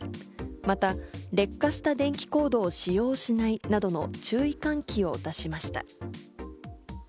また劣化した電気コードを使用しないなどの注意喚起を出しました。